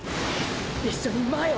一緒に前を！！